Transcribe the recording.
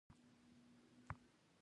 حیرتان پل سوداګریز دی؟